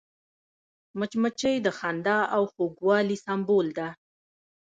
مچمچۍ د خندا او خوږوالي سمبول ده